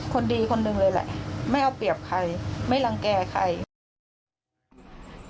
คนดีคนหนึ่งเลยแหละไม่เอาเปรียบใครไม่รังแก่ใคร